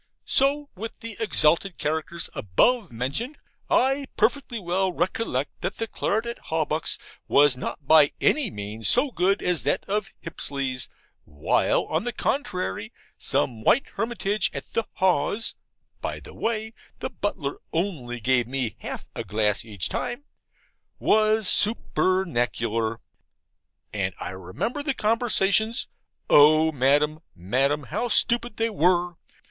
So with the exalted characters above mentioned. I perfectly well recollect that the claret at Hawbuck's was not by any means so good as that of Hipsley's, while, on the contrary, some white hermitage at the Haws (by the way, the butler only gave me half a glass each time) was supernacular. And I remember the conversations. O Madam, Madam, how stupid they were!